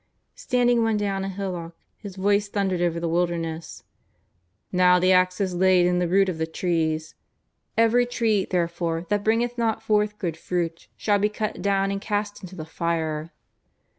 Standing one day on a hillock, his voice thundered over the wilderness :" IvTow the axe is laid to the root of the trees. Every tree, therefore, that bringeth not forth good fruit, shall be cut down and cast into the fire."